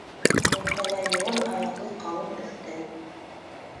Уртала йыуан аяҡлы ҡалын өҫтәл.